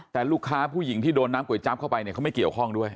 แต่ลูกค้าผู้หญิงที่โดนน้ำก๋วยจั๊บเข้าไปเนี่ยเขาไม่เกี่ยวข้องด้วย